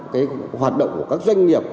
cái hoạt động của các doanh nghiệp